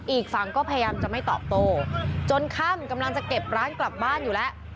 อีกฝั่งก็พยายามจะไม่ตอบโต้จนค่ำกำลังจะเก็บร้านกลับบ้านอยู่แล้ว